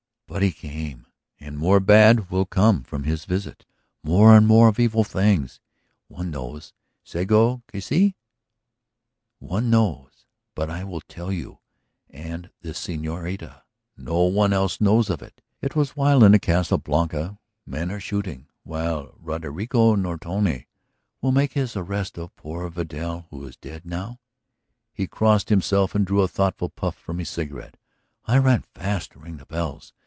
"But he came and more bad will come from his visit, more and more of evil things. One knows. Seguro que si; one knows. But I will tell you and the señorita; no one else knows of it. It was while in the Casa Blanca men are shooting, while Roderico Nortone will make his arrest of poor Vidal who is dead now." He crossed himself and drew a thoughtful puff from his cigarette. "I run fast to ring the bells.